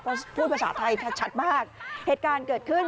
เพราะพูดภาษาไทยชัดชัดมากเหตุการณ์เกิดขึ้น